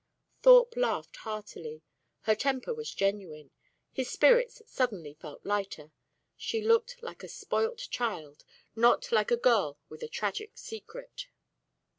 Thorpe laughed heartily. Her temper was genuine. His spirits suddenly felt lighter; she looked like a spoilt child, not like a girl with a tragic secret.